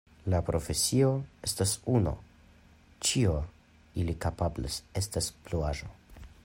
La profesio estas uno, ĉio ili kapablas estas pluaĵo.